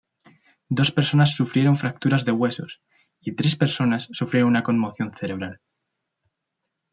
Dos personas sufrieron fracturas de huesos, y tres personas sufrieron una conmoción cerebral.